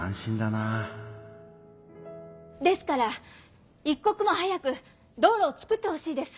ですからいっこくも早く道路をつくってほしいです！